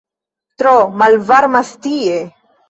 "Tro malvarmas tie!"